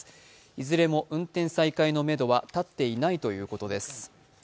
いずれも運転再開のめどは立っていないということです。